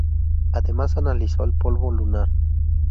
Además analizó el polvo lunar.